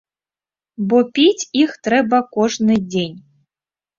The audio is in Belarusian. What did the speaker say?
Бо піць іх трэба кожны дзень.